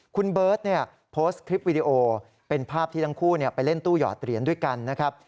คุณเบิร์ตโพสต์คลิปวิดีโอเป็นภาพที่ทั้งคู่ไปเล่นตู้หยอดเหรียญด้วยกันนะครับ